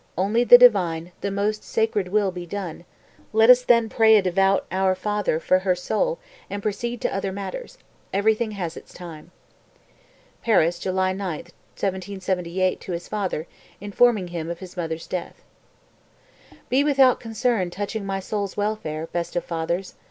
Only the divine, the most sacred will be done; let us then pray a devout 'Our Father' for her soul and proceed to other matters; everything has its time." (Paris, July 9, 1778, to his father, informing him of his mother's death.) 251. "Be without concern touching my soul's welfare, best of fathers!